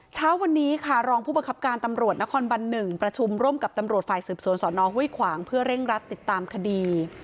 เช้าวันนี้ค่ะรองผู้บังคับการตำรวจนครบัน๑ประชุมร่วมกับตำรวจฝ่ายสืบสวนสนห้วยขวางเพื่อเร่งรัดติดตามคดี